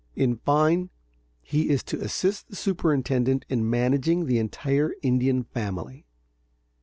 In fine, he is to assist the superintendent in managing the entire Indian family.